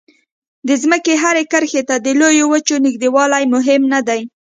د ځمکې هرې کرښې ته د لویو وچو نږدېوالی مهم نه دی.